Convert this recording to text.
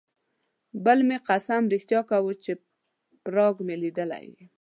بل مې قسم رښتیا کاوه چې پراګ مې لیدلی یم.